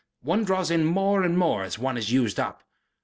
One draws in more and more as one is used up.